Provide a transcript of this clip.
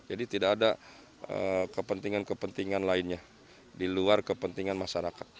jadi tidak ada kepentingan kepentingan lainnya di luar kepentingan masyarakat